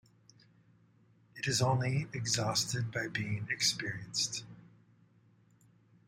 It is only exhausted by being experienced.